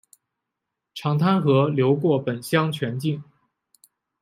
长滩河流过本乡全境。